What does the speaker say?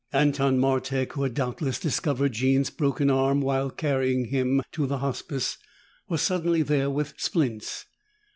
Anton Martek, who had doubtless discovered Jean's broken arm while carrying him to the Hospice, was suddenly there with splints.